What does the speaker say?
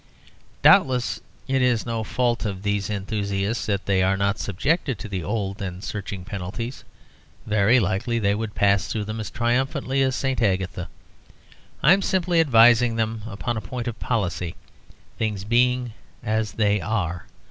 Doubtless it is no fault of these enthusiasts that they are not subjected to the old and searching penalties; very likely they would pass through them as triumphantly as St. Agatha. I am simply advising them upon a point of policy, things being as they are.